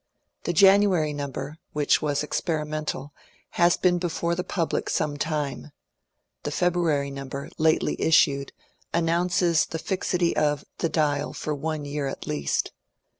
The January number, which was experimental, has been before the public some time ; the February number, lately issued, announces the fixity of ^^ The Dial " for one year at least.